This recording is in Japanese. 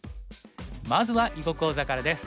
まずは囲碁講座からです。